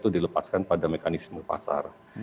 dilepaskan pada mekanisme pasar